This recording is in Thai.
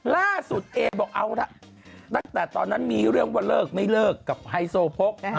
เอบอกเอาละตั้งแต่ตอนนั้นมีเรื่องว่าเลิกไม่เลิกกับไฮโซโพก